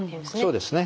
そうですね。